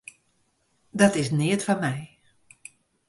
Dat is neat foar my.